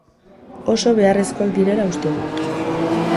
Oso beharrezkoak direla uste dut.